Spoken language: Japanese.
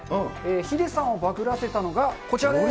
ヒデさんをバグらせたのがこちらです。